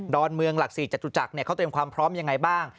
อนเมืองหลัก๔จตุจักรเขาเตรียมความพร้อมยังไงบ้าง